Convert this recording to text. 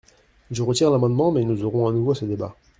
Je retire l’amendement, mais nous aurons à nouveau ce débat.